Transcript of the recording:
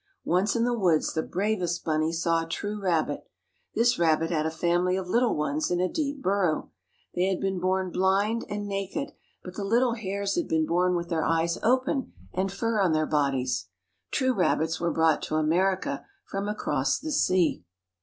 Once in the woods the bravest bunny saw a true rabbit. This rabbit had a family of little ones in a deep burrow. They had been born blind and naked, but the little hares had been born with their eyes open and fur on their bodies. True rabbits were brought to America from across the sea.